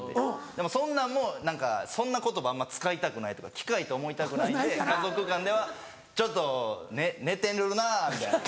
でもそんなんもそんな言葉あんま使いたくないというか機械と思いたくないんで家族間では「ちょっと寝てるな」みたいな。